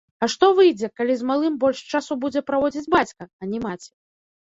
А што выйдзе, калі з малым больш часу будзе праводзіць бацька, а не маці?